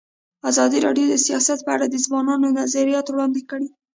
ازادي راډیو د سیاست په اړه د ځوانانو نظریات وړاندې کړي.